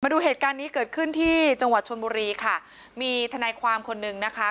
ดูเหตุการณ์นี้เกิดขึ้นที่จังหวัดชนบุรีค่ะมีทนายความคนหนึ่งนะคะ